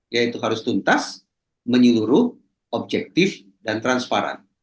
yaitu harus tuntas menyeluruh objektif dan transparan